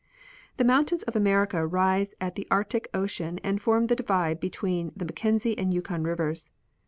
The mountains of America rise at the Arctic ocean and form the divide between the Mackenzie and Yukon rivers.